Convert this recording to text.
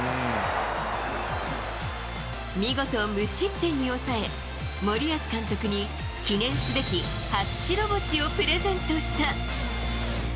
見事、無失点に抑え、森保監督に記念すべき初白星をプレゼントした。